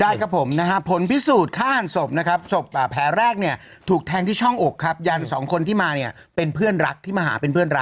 ได้ครับผมผลพิสูจน์ค้าหันสบที่ไปมา